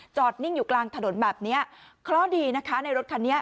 จอดนิ่งอยู่กลางถนนแบบเนี้ยข้อดีนะคะในรถคันนี้